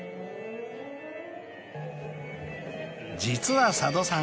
［実は佐渡さん